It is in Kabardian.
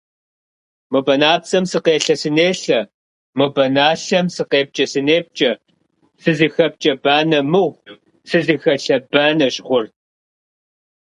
Мо банапцӀэм сыкъелъэ-сынелъэ, мо баналъэм сыкъепкӀэ-сынепкӀэ, сызыхэпкӀэ банэ мыгъу, сызыхэлъэ банэщ гъур.